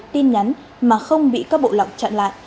tin nhắn mà không bị các bộ lọc chặn lại